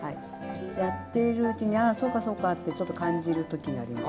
やっているうちにああそうかそうかってちょっと感じる時があります。